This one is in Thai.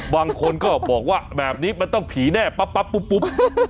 บางคนก็บอกว่าแบบนี้มันต้องผีแน่ปั๊บปุ๊บ